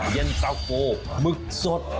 เย็นซักโฟมึกสด